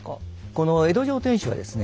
この江戸城天守はですね